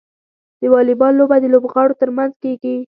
د واليبال لوبه د لوبغاړو ترمنځ کیږي.